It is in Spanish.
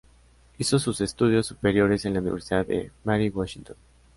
Hizo sus estudios superiores en la Universidad de Mary Washington.